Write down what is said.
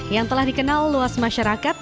yang telah dikenal luas masyarakat